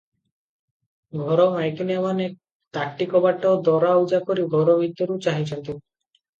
ଘର ମାଇକିନିଆମାନେ ତାଟି କବାଟ ଦରଆଉଜା କରି ଘର ଭିତରୁ ଚାହିଁଛନ୍ତି ।